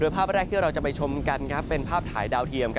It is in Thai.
ภาพแรกที่เราจะไปชมกันเป็นภาพถ่ายดาวเทียม